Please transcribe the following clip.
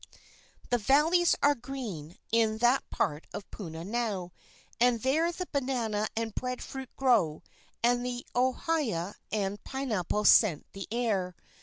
The valleys are green in that part of Puna now, and there the banana and the bread fruit grow, and the ohia and pineapple scent the air.